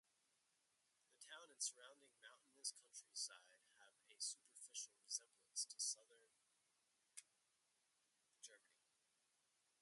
The town and surrounding mountainous countryside have a superficial resemblance to Southern Germany.